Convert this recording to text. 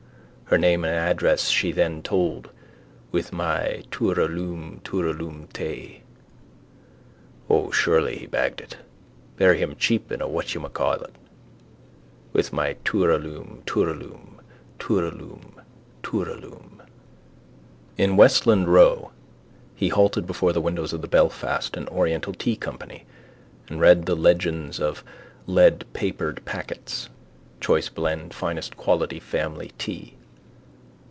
Her name and address she then told with my tooraloom tooraloom tay. O, surely he bagged it. Bury him cheap in a whatyoumaycall. With my tooraloom, tooraloom, tooraloom, tooraloom. In Westland row he halted before the window of the Belfast and Oriental Tea Company and read the legends of leadpapered packets: choice blend, finest quality, family tea.